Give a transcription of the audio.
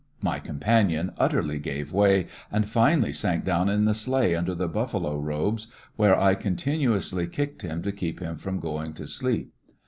My companion utterly gave way, and finally sank down in the sleigh under the buffalo robes, where I continuously kicked him to keep him from going to sleep.